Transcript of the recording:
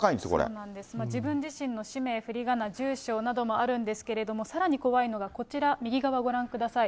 そうなんです、自分自身の氏名、ふりがな、住所などもあるんですけれども、さらに怖いのがこちら、右側ご覧ください。